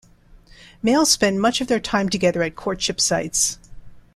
Males spend much of their time together at courtship sites.